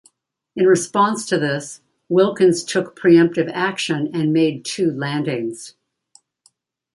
In response to this, Wilkins took pre-emptive action and made two landings.